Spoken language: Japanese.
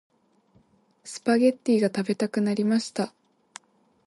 スパゲッティが食べたくなりました。